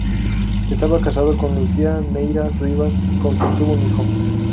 Estaba casado con Lucía Neira Rivas, con quien tuvo un hijo.